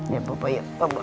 ya bapak ya bapak